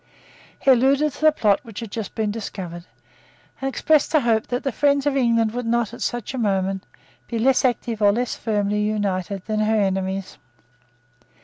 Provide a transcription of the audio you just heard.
He alluded to the plot which had just been discovered, and expressed a hope that the friends of England would not, at such a moment, be less active or less firmly united than her enemies.